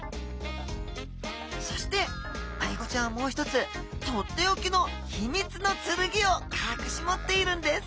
そしてアイゴちゃんはもう一つとっておきの秘密の剣をかくし持っているんです！